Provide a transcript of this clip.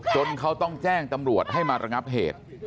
จนเขาต้องแจ้งตำรวจให้มาระงับเหตุ